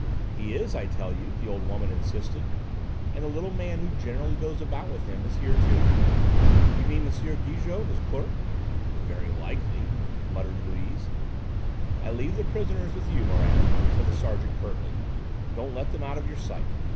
"He is, I tell you," the old woman insisted; "and the little man who generally goes about with him is here too." "You mean M. Gigou, his clerk?" "Very likely," muttered Louise. "I leave the prisoners with you, Morand," said the sergeant curtly; "don't let them out of your sight.